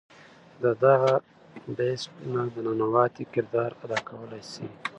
د دغه “Beast” نه د ننواتې کردار ادا کولے شي